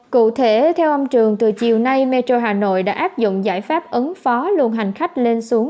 cụ thể theo ông trường từ chiều nay metro hà nội đã áp dụng giải pháp ứng phó lượng hành khách lên xuống